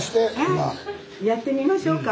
やってみましょうか？